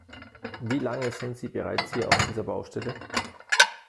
Wie lange sind sie bereits hier auf dieser Baustelle?